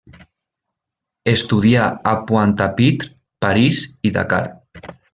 Estudià a Pointe-à-Pitre, París i Dakar.